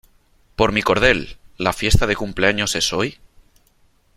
¡ Por mi cordel !¿ La fiesta de cumpleaños es hoy ?